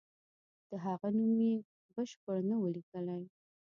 د هغه نوم یې بشپړ نه وو لیکلی.